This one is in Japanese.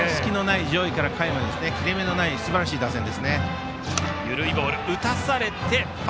上位から下位まで隙のない切れ目のないすばらしい打線ですね。